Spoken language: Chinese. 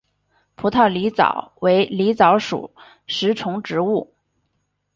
匍匐狸藻为狸藻属食虫植物。